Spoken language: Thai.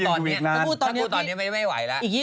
ถ้าตอนนี้พี่หายหวายแล้ว